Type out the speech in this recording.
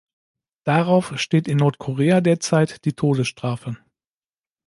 Darauf steht in Nordkorea derzeit die Todesstrafe.